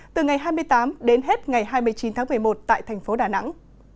từ ngày hai mươi tám đến hết ngày hai mươi chín tháng một mươi một tại thành phố đà nẵng